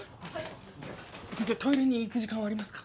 先生トイレに行く時間はありますか？